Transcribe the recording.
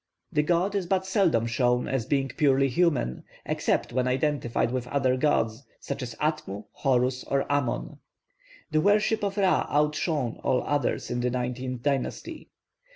The god is but seldom shown as being purely human, except when identified with other gods, such as Atmu, Horus, or Amon. The worship of Ra outshone all others in the nineteenth dynasty.